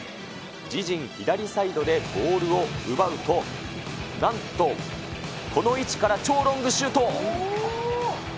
自陣左サイドでボールを奪うと、なんとこの位置から超ロングシュート。